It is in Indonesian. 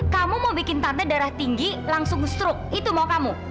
kamu mau bikin tanda darah tinggi langsung stroke itu mau kamu